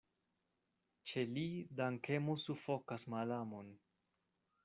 Ĉe li dankemo sufokas malamon.